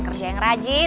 kerja yang rajin